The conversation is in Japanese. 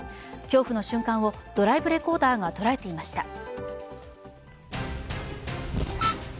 恐怖の瞬間をドライブレコーダーが捉えていました。